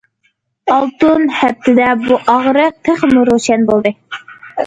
ئالتۇن ھەپتىدە، بۇ ئاغرىق تېخىمۇ روشەن بولدى.